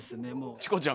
チコちゃん